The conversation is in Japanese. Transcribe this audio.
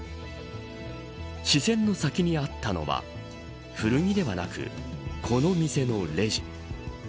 視線の先にあったのは古着ではなく、この店のレジ。